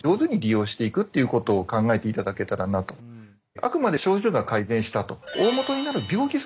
あくまで症状が改善したと。